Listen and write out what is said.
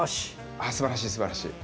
あっすばらしいすばらしい。